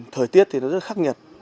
thời tiết thì nó rất khắc nhiệt